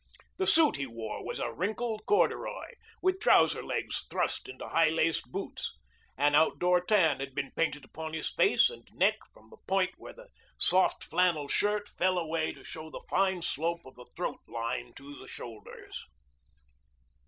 The suit he wore was a wrinkled corduroy, with trouser legs thrust into high laced boots. An outdoor tan had been painted upon his face and neck, from the point where the soft flannel shirt fell away to show the fine slope of the throat line to the shoulders.